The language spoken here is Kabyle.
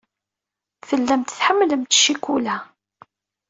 Tellamt tḥemmlemt ccikula.